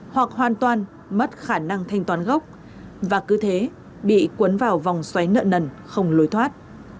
hoặc hoàn toàn mất khả năng thanh toán gốc và cứ thế bị cuốn vào vòng xoáy nợ nần không lối thoát